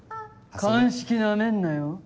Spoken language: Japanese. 鑑識ナメんなよ